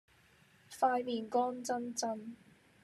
塊面乾爭爭